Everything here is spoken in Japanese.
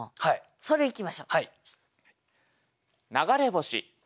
それいきましょう。